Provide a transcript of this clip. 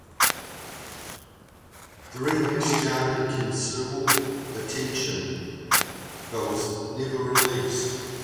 The remix garnered considerable attention, but was never released.